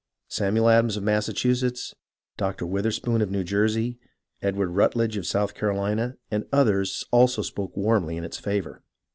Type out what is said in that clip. Samuel Adams of Massachusetts, Dr. Witherspoon of New Jersey, Edward Rutledge of South Carolina, and others also spoke warmly in its favour.